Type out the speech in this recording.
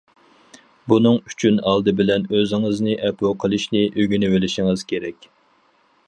بۇنىڭ ئۈچۈن ئالدى بىلەن ئۆزىڭىزنى ئەپۇ قىلىشنى ئۆگىنىۋېلىشىڭىز كېرەك.